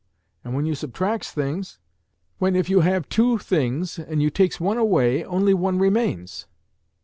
And when you subtracts things, when if you have two things and you takes one away, only one remains."